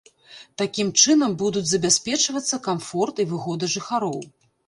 Такім чынам будуць забяспечвацца камфорт і выгода жыхароў.